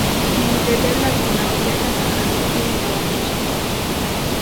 ni mjadala unaoleta taharuki ya Wamachinga